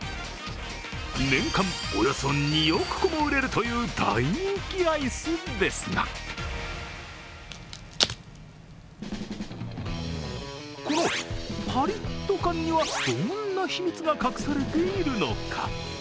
年間およそ２億個も売れるという大人気アイスですがこのパリッと感には、どんな秘密が隠されているのか。